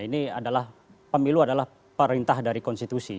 ini adalah pemilu adalah perintah dari konstitusi